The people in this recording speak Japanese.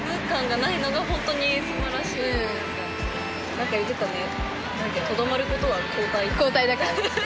何か言ってたね。